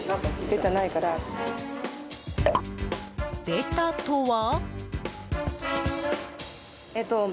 ベタとは？